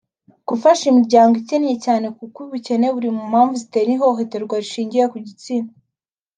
Gufasha imiryango ikenye cyane kuko ubukene buri mu mpamvu zitera ihohoterwa rishingiye ku gitsina